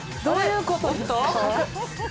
どういうことだ？